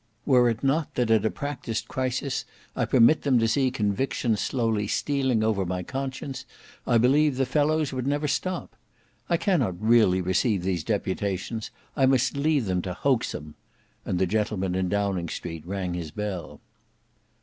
Were it not that at a practised crisis, I permit them to see conviction slowly stealing over my conscience, I believe the fellows would never stop. I cannot really receive these deputations. I must leave them to Hoaxem," and the gentleman in Downing Street rang his bell.